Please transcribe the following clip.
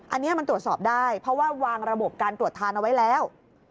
อันนี้มันตรวจสอบได้เพราะว่าวางระบบการตรวจทานเอาไว้แล้ว